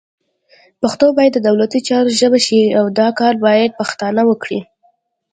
پښتو باید د دولتي چارو ژبه شي، او دا کار باید پښتانه وکړي